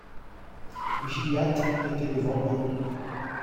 Gilliatt était devant eux.